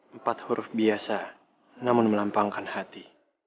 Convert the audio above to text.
empat huruf biasa namun melampangkan hati